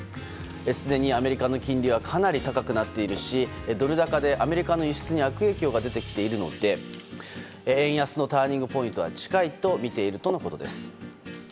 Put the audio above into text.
すでにアメリカの金利はかなり高くなっているしドル高でアメリカの輸出に悪影響が出てきているので円安のターニングポイントは近いとみているということです。